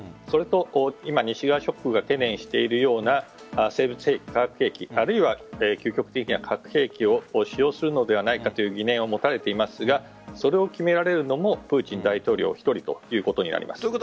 それと今、西側諸国が懸念しているような生物・化学兵器あるいは核兵器を使用するのではないかという疑念を持たれていますがそれは決められるのもプーチン大統領１人ということになります。